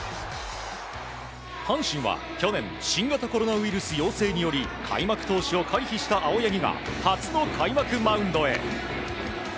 阪神は去年新型コロナウイルス陽性により開幕投手を回避した青柳が初の開幕マウンドへ。